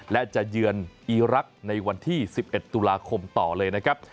และจะเยือนอีรักษ์ในวันที่๑๑ตุลาคมต่อเลยนะครับ